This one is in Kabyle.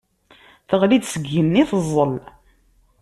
Teɣli-d seg yigenni teẓẓel.